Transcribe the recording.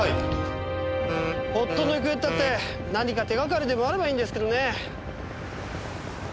夫の行方ったって何か手がかりでもあればいいんですけどね。